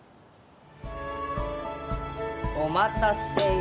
お待たせ。